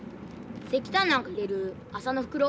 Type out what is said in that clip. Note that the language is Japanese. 石炭なんか入れる麻の袋。